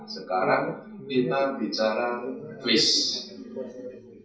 sekarang kita bicara face